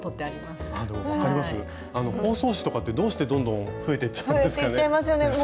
あの包装紙とかってどうしてどんどん増えていっちゃうんですかね。